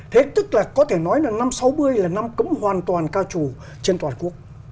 thế tức là có thể nói là năm sáu mươi là năm cấm hoàn toàn ca chủ trên toàn quốc